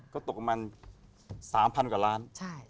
ก็ตกประมาณ๓๐๐กว่าล้าน